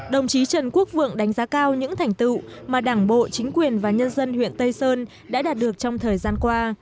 đồng chí trần quốc vượng đánh giá cao những thành tựu mà đảng bộ chính quyền và nhân dân huyện tây sơn đã đạt được trong thời gian qua